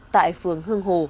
tại phường hương hồ